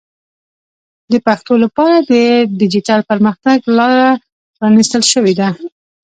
د پښتو لپاره د ډیجیټل پرمختګ لاره پرانیستل شوې ده.